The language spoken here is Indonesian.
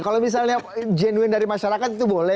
kalau misalnya genuin dari masyarakat itu boleh